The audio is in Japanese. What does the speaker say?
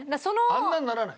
あんなにならない。